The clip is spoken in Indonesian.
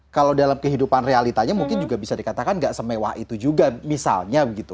kalau dalam kehidupan realitanya mungkin juga bisa dikatakan gak semewah itu juga misalnya gitu